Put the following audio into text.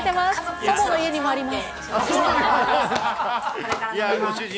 祖母の家にもあります。